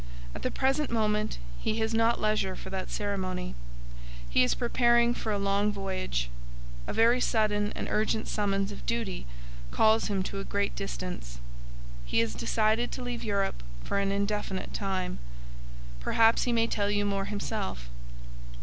At the present moment he has not leisure for that ceremony. He is preparing for a long voyage. A very sudden and urgent summons of duty calls him to a great distance. He has decided to leave Europe for an indefinite time. Perhaps he may tell you more himself.